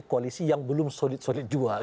koalisi yang belum solid solid jual